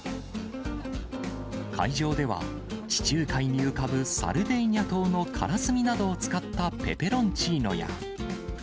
会場では、地中海に浮かぶサルデーニャ島のカラスミなどを使ったペペロンチーノや。